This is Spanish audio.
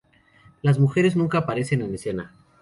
Las mujeres nunca aparecen en escena.